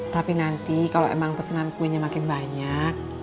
tapi nanti kalau emang pesanan kuenya makin banyak